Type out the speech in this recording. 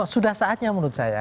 sudah saatnya menurut saya